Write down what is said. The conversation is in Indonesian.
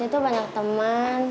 di situ banyak teman